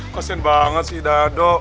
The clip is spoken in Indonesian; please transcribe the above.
kasian banget sih dado